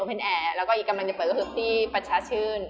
ออปป็นแอร์อีกกำลังจะเปิดที่ประชาชื่น